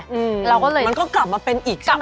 มันก็กลับมาเป็นอีกใช่ไหม